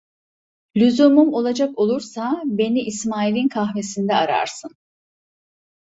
Lüzumum olacak olursa beni İsmail'in kahvesinde ararsın!